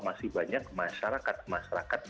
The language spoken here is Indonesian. masih banyak masyarakat masyarakat